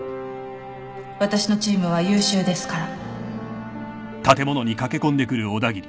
私のチームは優秀ですから